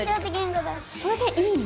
それいいね！